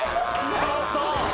ちょっと！